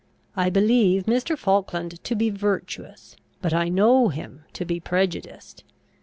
I believe Mr. Falkland to be virtuous; but I know him to be prejudiced.